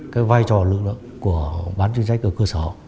cái vai trò lực lượng của văn chuyên án cơ sở